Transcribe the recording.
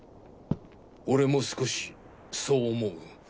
俺も少しそう思う。